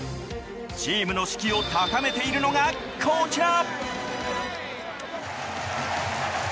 チームの士気を高めているのがこちら！